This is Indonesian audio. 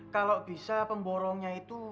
kalau bisa pemborongnya itu